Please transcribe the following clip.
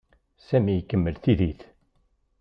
Sami ikemmel tiddit.